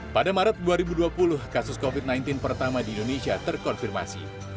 pada maret dua ribu dua puluh kasus covid sembilan belas pertama di indonesia terkonfirmasi